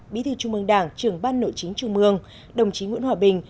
bí thư trung mương đảng trưởng ban nội chính trung mương đồng chí nguyễn hòa bình